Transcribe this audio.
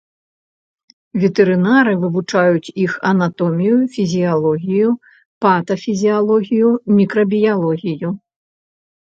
Ветэрынары вывучаюць іх анатомію, фізіялогію, патафізіялогію, мікрабіялогію.